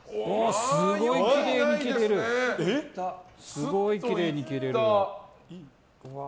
すごいきれいに切れる！